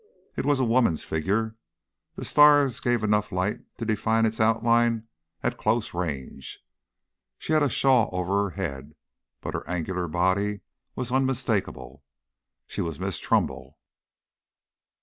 It was a woman's figure; the stars gave enough light to define its outlines at close range. She had a shawl over her head, but her angular body was unmistakable. She was Miss Trumbull.